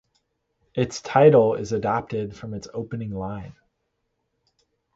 Its title is adopted from its opening line.